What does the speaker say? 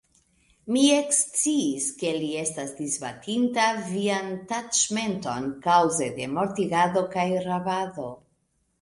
Mi eksciis, ke li estas disbatinta vian taĉmenton kaŭze de mortigado kaj rabado.